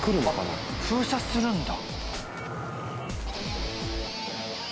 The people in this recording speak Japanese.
あっ封鎖するんだ。